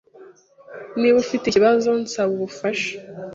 Niba ufite ikibazo, nsaba ubufasha.